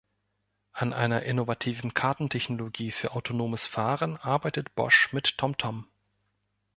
An einer innovativen Kartentechnologie für autonomes Fahren arbeitet Bosch mit TomTom.